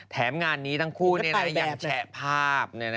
แถมงานนี้ทั้งคู่ยังแชะภาพ